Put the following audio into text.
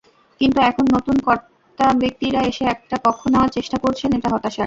কিন্তু এখন নতুন কর্তাব্যক্তিরা এসে একটা পক্ষ নেওয়ার চেষ্টা করছেন, এটা হতাশার।